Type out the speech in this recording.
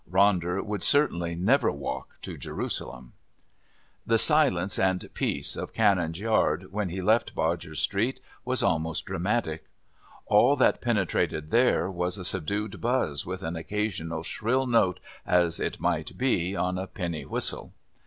Ronder would certainly never walk to Jerusalem. The silence and peace of Canon's Yard when he left Bodger's Street was almost dramatic. All that penetrated there was a subdued buzz with an occasional shrill note as it might be on a penny whistle.